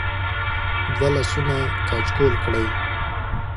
د وه لاسونه کچکول کړی